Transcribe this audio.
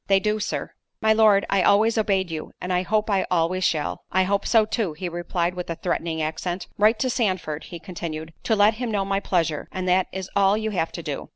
"They do, Sir." "My Lord, I always obeyed you, and hope I always shall." "I hope so too," he replied in a threatening accent—"Write to Sandford," continued he, "to let him know my pleasure, and that is all you have to do."